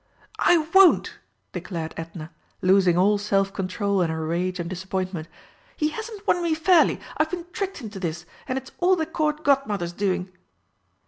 "I won't!" declared Edna, losing all self control in her rage and disappointment. "He hasn't won me fairly. I've been tricked into this, and it's all the Court Godmother's doing!"